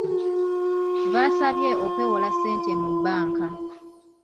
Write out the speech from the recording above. Baasabye okwewola ssente mu banka.